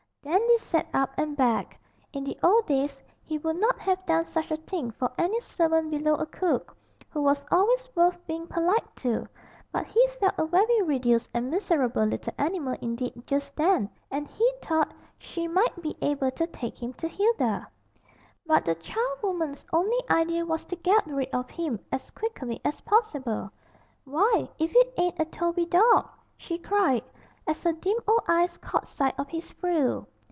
Dandy sat up and begged. In the old days he would not have done such a thing for any servant below a cook (who was always worth being polite to), but he felt a very reduced and miserable little animal indeed just then, and he thought she might be able to take him to Hilda. But the charwoman's only idea was to get rid of him as quickly as possible. 'Why, if it ain't a Toby dawg!' she cried, as her dim old eyes caught sight of his frill.